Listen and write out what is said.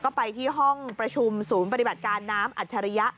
ก็ไปที่ห้องประชุมศูนย์ปฏิบัติการน้ำอัจฉริยะ